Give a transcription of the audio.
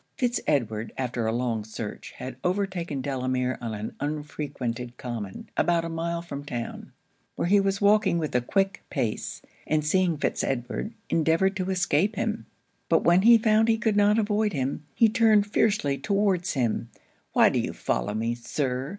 Fitz Edward, after a long search, had overtaken Delamere on an unfrequented common, about a mile from the town, where he was walking with a quick pace; and seeing Fitz Edward, endeavoured to escape him. But when he found he could not avoid him, he turned fiercely towards him 'Why do you follow me, Sir?